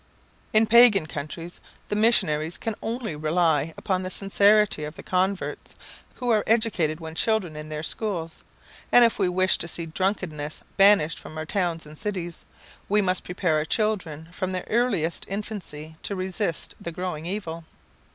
In pagan countries, the missionaries can only rely upon the sincerity of the converts, who are educated when children in their schools; and if we wish to see drunkenness banished from our towns and cities, we must prepare our children from their earliest infancy to resist the growing evil.